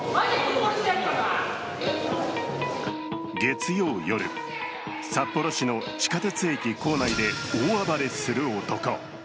月曜夜、札幌市の地下鉄駅構内で大暴れする男。